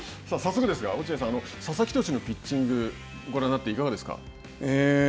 早速ですが落合さん佐々木投手のピッチングをご覧になっていかがですか。